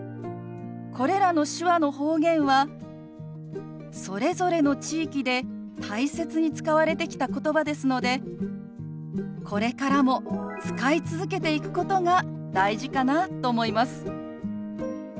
これらの手話の方言はそれぞれの地域で大切に使われてきた言葉ですのでこれからも使い続けていくことが大事かなと思います。